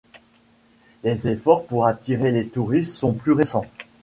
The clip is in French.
Les efforts pour attirer les touristes sont plus récents.